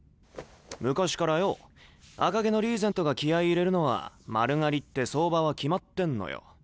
昔からよ赤毛のリーゼントが気合い入れるのは丸刈りって相場は決まってんのよ。